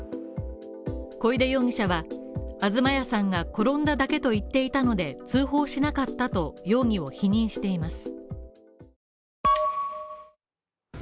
小出容疑者は東谷さんが転んだだけと言っていたので、通報しなかったと容疑を否認しています。